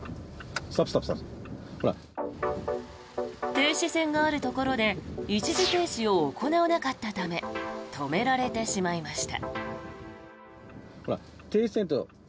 停止線があるところで一時停止を行わなかったため止められてしまいました。